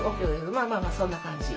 まあまあまあそんな感じ。